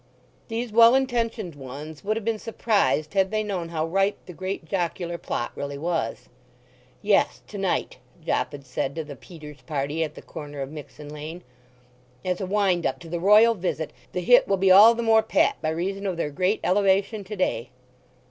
These well intentioned ones would have been surprised had they known how ripe the great jocular plot really was. "Yes, to night," Jopp had said to the Peter's party at the corner of Mixen Lane. "As a wind up to the Royal visit the hit will be all the more pat by reason of their great elevation to day."